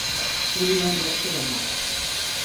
União da Serra